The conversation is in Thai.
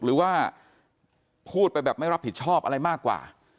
หรือว่าพูดไปแบบไม่รับผิดชอบอะไรมากกว่า